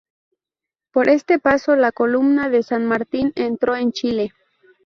Por este paso la columna de San Martín entró en Chile.